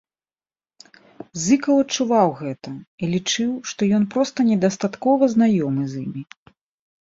Зыкаў адчуваў гэта і лічыў, што ён проста недастаткова знаёмы з імі.